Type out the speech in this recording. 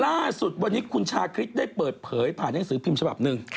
ล่าสุดวันนี้คุณชาคริสได้เปิดเผยผ่านหนังสือพิมพ์ฉบับหนึ่ง